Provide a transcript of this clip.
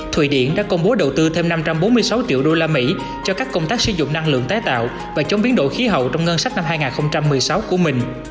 thụy điển đã công bố đầu tư thêm năm trăm bốn mươi sáu triệu usd cho các công tác sử dụng năng lượng tái tạo và chống biến đổi khí hậu trong ngân sách năm hai nghìn một mươi sáu của mình